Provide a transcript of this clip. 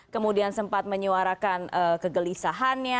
kemudian sempat menyuarakan kegelisahannya